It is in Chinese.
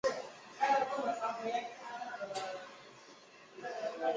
其他症状表现则常因成因不同而有所差异。